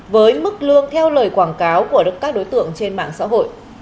với mức lương theo lời quảng cáo của các đối tượng trên mạng xã hội